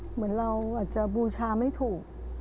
เหมือนเราอาจจะบูชาไม่ถูก